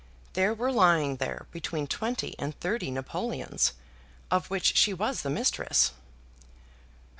There were lying there between twenty and thirty napoleons, of which she was the mistress.